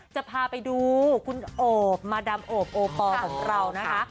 จะพาไปดูคุณโอบมาดำโอบโอปอลของเรานะคะ